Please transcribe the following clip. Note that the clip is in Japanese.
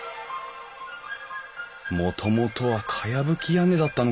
もともとはかやぶき屋根だったのかなあ。